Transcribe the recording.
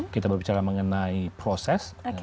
kita berbicara mengenai proses